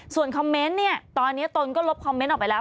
ส่วนคอมเมนต์เนี่ยตอนนี้ตนก็ลบคอมเมนต์ออกไปแล้ว